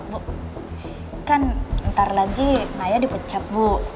bu kan ntar lagi maya dipecat bu